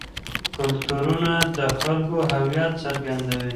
کلتورونه د خلکو هویت څرګندوي.